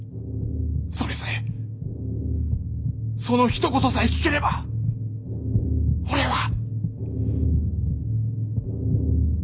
それさえそのひと言さえ聞ければ俺は。